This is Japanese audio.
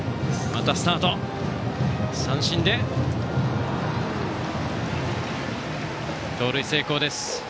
バッターは三振で、盗塁成功です。